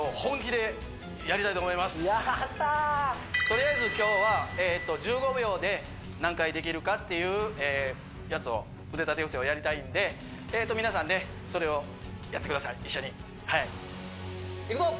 とりあえず今日は１５秒で何回できるかっていうやつを腕立て伏せをやりたいんで皆さんねそれをやってください一緒にいくぞっ